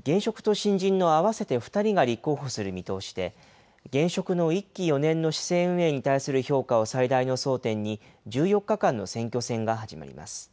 現職と新人の合わせて２人が立候補する見通しで、現職の１期４年の市政運営に対する評価を最大の争点に、１４日間の選挙戦が始まります。